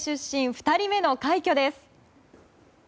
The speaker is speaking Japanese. ２人目の快挙です。